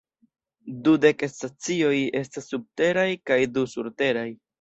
Dudek stacioj estas subteraj kaj du surteraj.